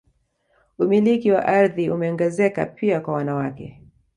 Umiliki wa ardhi umeongezeka pia kwa wanawake